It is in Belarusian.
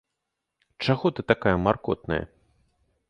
Чаго ты такая маркотная?